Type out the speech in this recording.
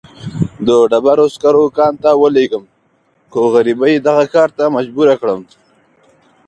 د ډبرو سکرو کان ته ولېږم، خو غريبۍ دغه کار ته مجبوره کړمه.